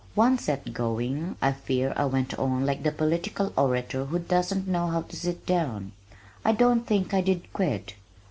Once set going I fear I went on like the political orator who doesn't know how to sit down. I don't think I did quit.